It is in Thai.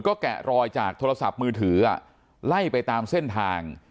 ก็แกะรอยจากโทรศัพท์มือถือไล่ไปตามเส้นทาง